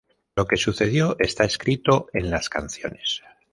Lo que sucedió está escrito en las canciones.